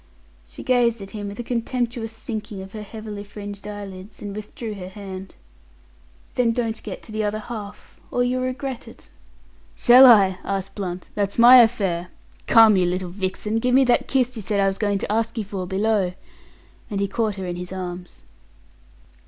She gazed at him with a contemptuous sinking of her heavily fringed eyelids, and withdrew her hand. "Then don't get to the other half, or you'll regret it." "Shall I?" asked Blunt. "That's my affair. Come, you little vixen, give me that kiss you said I was going to ask you for below," and he caught her in his arms.